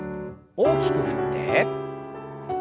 大きく振って。